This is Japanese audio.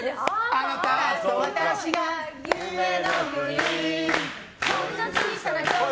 あなたと私が夢の国！